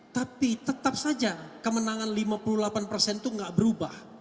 tapi tetap saja kemenangan lima puluh delapan persen itu nggak berubah